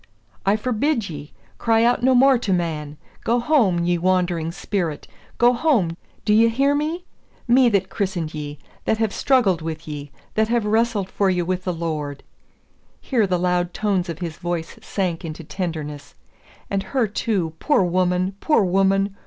"I forbid ye! Cry out no more to man. Go home, ye wandering spirit! go home! Do you hear me? me that christened ye, that have struggled with ye, that have wrestled for ye with the Lord!" Here the loud tones of his voice sank into tenderness. "And her too, poor woman! poor woman!